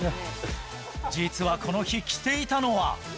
実はこの日着ていたのは。